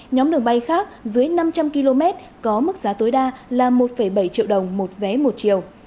nhóm đường bay khác dưới năm trăm linh km có mức giá tối đa là một bảy triệu đồng một vé một chiều